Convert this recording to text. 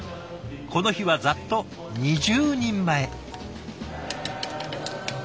この日はざっと２０人前。